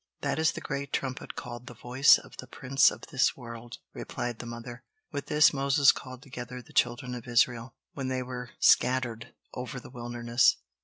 "That is the great trumpet called the Voice of the Prince of this World," replied the mother. "With this, Moses called together the Children of Israel, when they were scattered over the wilderness.